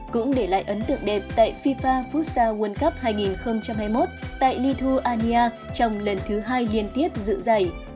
cũng để lại ấn tượng đẹp tại fifa futsa world cup hai nghìn hai mươi một tại lithuania trong lần thứ hai liên tiếp dự giải